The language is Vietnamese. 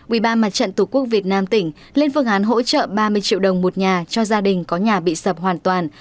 ubnd tổ quốc việt nam tỉnh lên phương án hỗ trợ ba mươi triệu đồng một nhà cho gia đình có nhà bị sập hoàn toàn